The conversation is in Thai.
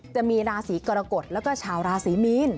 จะมีราศีกรกฎแล้วก็ชาวราศีมีน